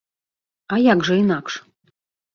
А як жа інакш?